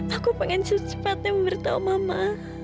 aku pengen cepat cepatnya memberitahu mama